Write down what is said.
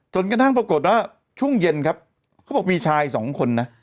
จนกระทั่งปรากฏว่าช่วงเย็นครับเขาบอกมีชายสองคนนะ